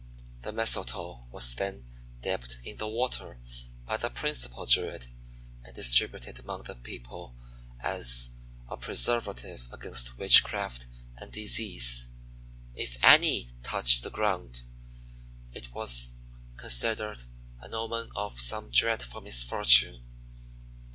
The Mistletoe was then dipped in the water by the principal Druid and distributed among the people as a preservative against witchcraft and disease. If any part touched the ground it was considered an omen of some dreadful misfortune.